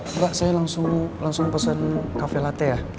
mbak saya langsung pesen kafe latte ya